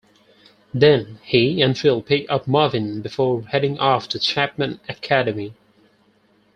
Then he and Phil pick up Marvin before heading off to Chapman Academy.